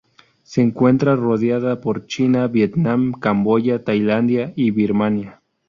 Se encuentra rodeada por China, Vietnam, Camboya, Tailandia y Birmania.